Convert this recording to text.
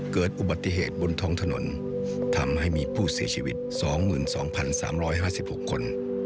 เกิดอุบัติเหตุบนท้องถนนทำให้มีผู้เสียชีวิต๒๒๓๕๖คน